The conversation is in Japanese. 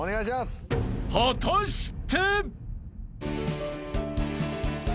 ［果たして？］